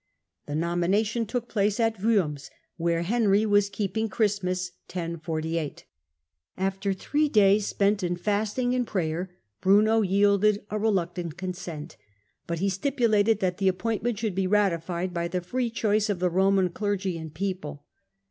The nomination took place at Worms, where Henry was keeping Christmas (1048). After three days spent in fasting and prayer Bruno yielded a reluctant consent ; but he stipulated that the appointment should be ratified by the free choice of the Boman clergy and people.